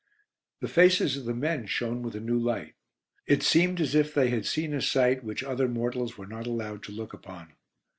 The faces of the men shone with a new light. It seemed as if they had seen a sight which other mortals were not allowed to look upon.